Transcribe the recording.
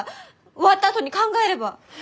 終わったあとに考えれば！